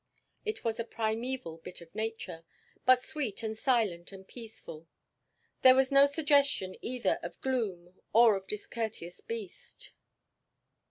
It was a primeval bit of nature, but sweet and silent and peaceful; there was no suggestion either of gloom or of discourteous beast.